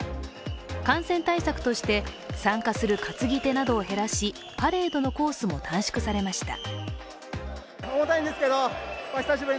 感染対策として、参加する担ぎ手などを減らし、パレードのコースも短縮されました。